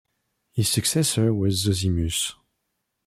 His successor was Zosimus.